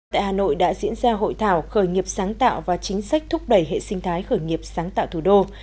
tại hà nội đã diễn ra hội thảo khởi nghiệp sáng tạo và chính sách thúc đẩy hệ sinh thái khởi nghiệp sáng tạo thủ đô